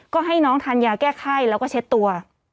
ก็ให้น้องทานยาแก้ไข้แล้วก็เช็ดตัว